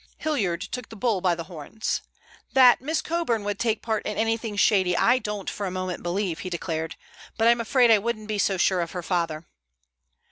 Hilliard took the bull by the horns. "That Miss Coburn would take part in anything shady I don't for a moment believe," he declared, "but I'm afraid I wouldn't be so sure of her father."